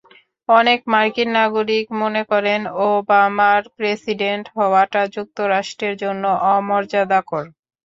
অনেক মার্কিন নাগরিক মনে করেন, ওবামার প্রেসিডেন্ট হওয়াটা যুক্তরাষ্ট্রের জন্য অমর্যাদাকর।